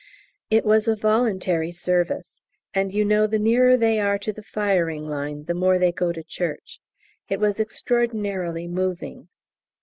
It was a voluntary service, and you know the nearer they are to the firing line the more they go to church. It was extraordinarily moving.